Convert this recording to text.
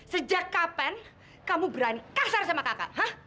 sejak kapan kamu berani kasar sama kakak